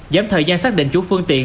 giảm thời gian xác định chủ phương tiện